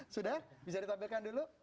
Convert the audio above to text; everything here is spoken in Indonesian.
sudah bisa ditampilkan dulu